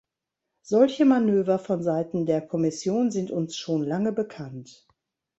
Solche Manöver von Seiten der Kommission sind uns schon lange bekannt.